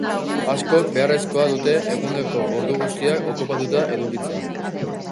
Askok, beharrezkoa dute eguneko ordu guztiak okupatuta edukitzea.